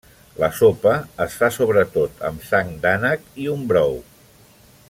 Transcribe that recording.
La sopa es fa sobretot amb sang d'ànec i un brou.